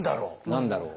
何だろう？